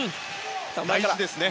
大事ですね。